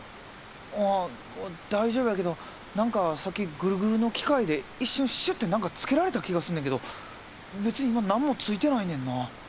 うん大丈夫やけど何かさっきグルグルの機械で一瞬シュッて何かつけられた気がすんねんけど別に何もついてないねんな。